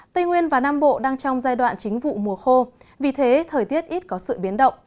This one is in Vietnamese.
tây nguyên và nam bộ đang trong giai đoạn chính vụ mùa khô vì thế thời tiết ít có sự biến động